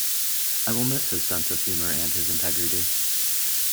I will miss his sense of humor and his integrity.